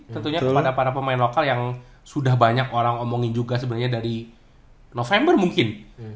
tentunya kepada para pemain lokal yang sudah banyak orang omongin juga sebenarnya dari november mungkin